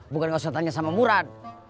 bukan gak usah tanya sama murad